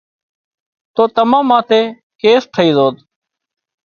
تو تمان ماٿي ڪيس ٿئي زوت